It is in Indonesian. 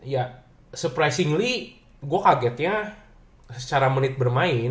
ya surprisingly gue kagetnya secara menit bermain